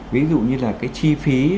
ví dụ như là cái chi phí